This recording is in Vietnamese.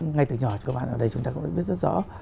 ngay từ nhỏ chúng ta biết rất rõ